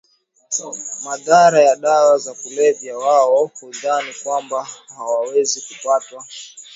madhara ya dawa za kulevya Wao hudhani kwamba hawawezi kupatwa